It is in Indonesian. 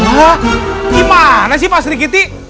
hah gimana sih pak sri kiti